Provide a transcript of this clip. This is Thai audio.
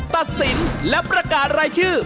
ตัดสินและประกาศรายชื่อ